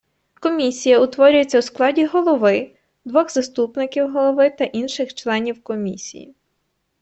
Комісія утворюється у складі голови, двох заступників голови та інших членів Комісії.